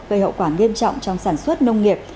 gây hậu quả nghiêm trọng trong sản xuất nông nghiệp